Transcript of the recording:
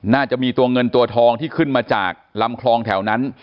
น่าจะมีตัวเงินตัวทองที่ขึ้นมาจากลำคลองแถวนั้น